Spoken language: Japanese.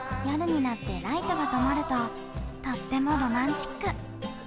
夜になってライトが灯るととってもロマンチック。